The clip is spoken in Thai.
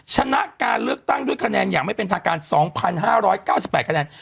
ชนะการเลือกตั้งด้วยคะแนนอย่างไม่เป็นฐาสองพันห้าร้อยเก้าสิบแปดคะแนน